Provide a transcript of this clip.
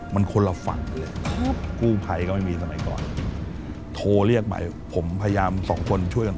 มันคนละฝั่งเลยครับกู้ภัยก็ไม่มีสมัยก่อนโทรเรียกไปผมพยายามสองคนช่วยกัน